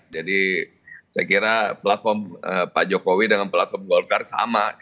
jadi saya kira platform pak jokowi dengan platform golkar sama